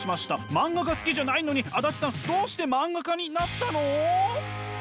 漫画が好きじゃないのに足立さんどうして漫画家になったの？